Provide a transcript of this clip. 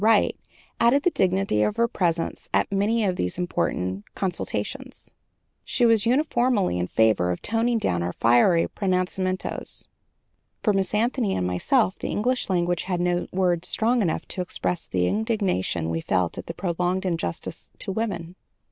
Wright, added the dignity of her presence at many of these important consultations. She was uniformly in favor of toning down our fiery pronunciamentos. For Miss Anthony and myself, the English language had no words strong enough to express the indignation we felt at the prolonged injustice to women.